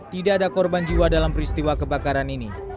tidak ada korban jiwa dalam peristiwa kebakaran ini